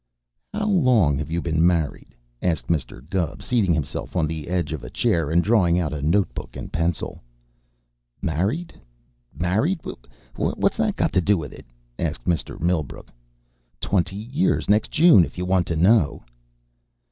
"How long have you been married?" asked Mr. Gubb, seating himself on the edge of a chair and drawing out a notebook and pencil. "Married? Married? What's that got to do with it?" asked Mr. Millbrook. "Twenty years next June, if you want to know."